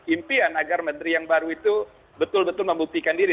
impian agar menteri yang baru itu betul betul membuktikan diri